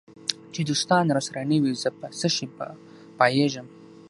چي دوستان راسره نه وي زه په څشي به پایېږم